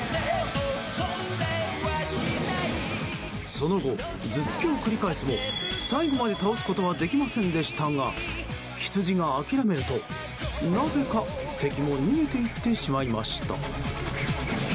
その後、頭突きを繰り返すも最後まで倒すことはできませんでしたがヒツジが諦めると、なぜか敵も逃げていってしまいました。